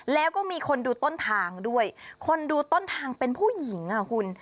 แล้วก็มีคนดูต้นทางด้วยคนดูต้นทางเป็นผู้หญิงอ่ะคุณ